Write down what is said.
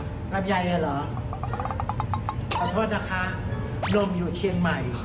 ลำไยอ่ะเหรอขอโทษนะคะลมอยู่เชียงใหม่